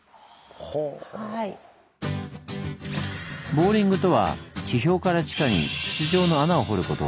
「ボーリング」とは地表から地下に筒状の穴を掘ること。